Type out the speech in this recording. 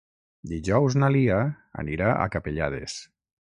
Dijous na Lia anirà a Capellades.